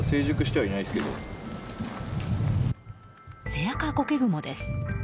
セアカゴケグモです。